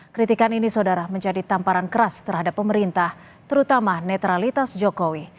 kritikan ini saudara menjadi tamparan keras terhadap pemerintah terutama netralitas jokowi